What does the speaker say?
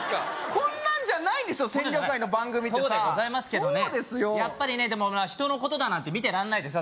こんなんじゃないんですよ「戦力外」の番組ってさそうでございますけどねやっぱりねでも人のことだなんて見てらんないですよ